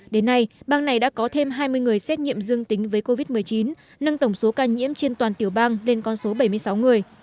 đến nay bang này đã có thêm hai mươi người xét nghiệm dương tính với covid một mươi chín nâng tổng số ca nhiễm trên toàn tiểu bang lên con số bảy mươi sáu người